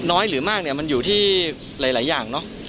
หรือมากเนี่ยมันอยู่ที่หลายอย่างเนอะ